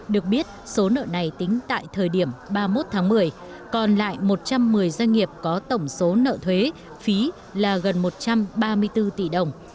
được biết số nợ này tính tại thời điểm ba mươi một tháng một mươi còn lại một trăm một mươi doanh nghiệp có tổng số nợ thuế phí là gần một trăm ba mươi bốn tỷ đồng